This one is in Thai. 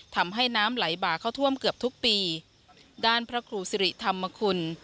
ทำให้น้ำไหลบากเข้าท่วมเกือบทุกปีด้านพระครูสิริธรรมคุณ